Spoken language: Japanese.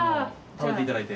食べていただいて。